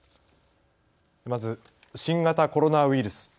まず新型コロナウイルス。